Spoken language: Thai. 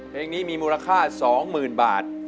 เพลงนี้มีมูลค่า๒หมื่นบาท